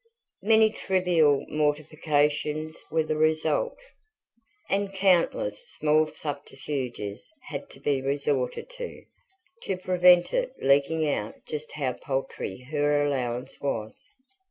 Many trivial mortifications were the result; and countless small subterfuges had to be resorted to, to prevent it leaking out just how paltry her allowance was.